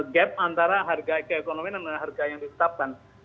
gap antara harga ekonomi dengan harga yang disetapkan